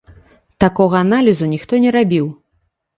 Такога аналізу ніхто не рабіў.